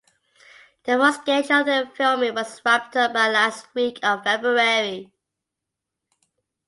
The first schedule of the filming was wrapped up by last week of February.